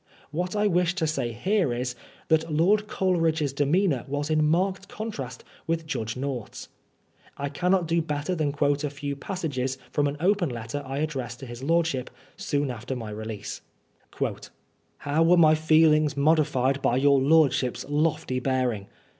What I wish to say here is, that Loid Coleridge's demeanor was in marked contrast with Judge North's. I cannot do better than quote a few passages from an open letter I addressed to his lordship soon after my release : "How were my feelings modified by your lordship's lofty bearing